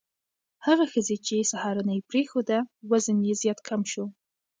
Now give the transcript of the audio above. هغه ښځې چې سهارنۍ پرېښوده، وزن یې زیات کم شو.